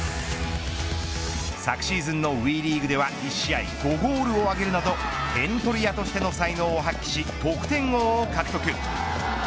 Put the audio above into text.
昨シーズンのＷＥリーグでは１試合５ゴールを挙げるなど点取り屋としての才能を発揮し得点王を獲得。